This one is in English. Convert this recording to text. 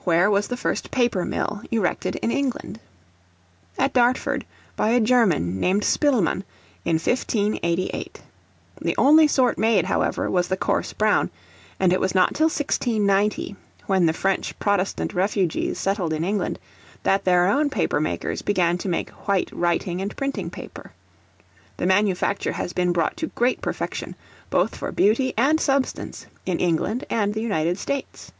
Where was the first Paper Mill erected in England? At Dartford, by a German named Spilman, in 1588. The only sort made, however, was the coarse brown; and it was not till 1690, when the French protestant refugees settled in England, that their own paper makers began to make white writing and printing paper. The manufacture has been brought to great perfection, both for beauty and substance, in England and the United States.